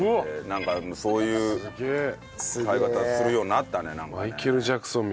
なんかそういう買い方するようになったね。